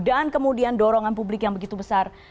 dan kemudian dorongan publik yang begitu besar